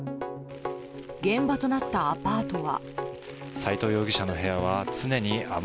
現場となったアパートは。